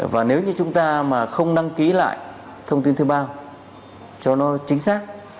và nếu như chúng ta mà không đăng ký lại thông tin thuê bao cho nó chính xác